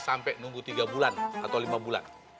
sampai nunggu tiga bulan atau lima bulan